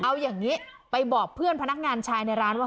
เอาอย่างนี้ไปบอกเพื่อนพนักงานชายในร้านว่า